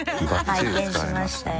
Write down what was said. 拝見しましたよ。